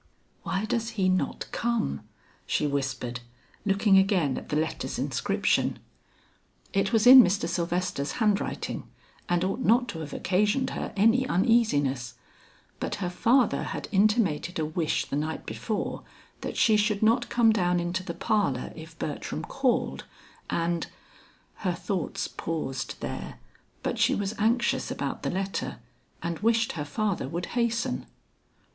"Why does he not come?" she whispered, looking again at the letter's inscription. It was in Mr. Sylvester's handwriting, and ought not to have occasioned her any uneasiness, but her father had intimated a wish the night before, that she should not come down into the parlor if Bertram called, and Her thoughts paused there, but she was anxious about the letter and wished her father would hasten.